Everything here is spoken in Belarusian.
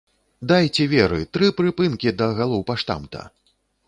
Дайце веры, тры прыпынкі да галоўпаштамта!